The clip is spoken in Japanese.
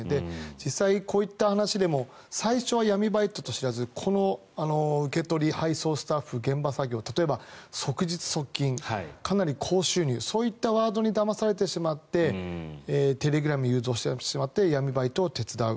実際、こういった話でも最初は闇バイトと知らずこの受け取り・配送スタッフ現場作業例えば即日即金、かなり高収入そういったワードにだまされてしまってテレグラムに誘導されてしまって闇バイトを手伝う。